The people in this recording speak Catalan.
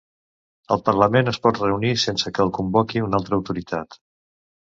El Parlament es pot reunir sense que el convoqui una altra autoritat.